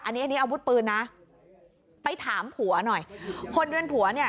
อันนี้อันนี้อาวุธปืนนะไปถามผัวหน่อยคนเรือนผัวเนี่ย